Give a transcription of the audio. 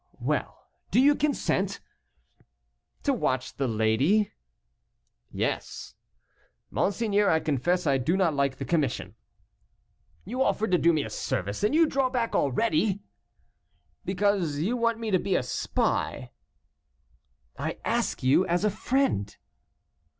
"Well, do you consent?" "To watch the lady?" "Yes." "Monseigneur, I confess I do not like the commission." "You offered to do me a service, and you draw back already!" "Because you want me to be a spy." "I ask you as a friend."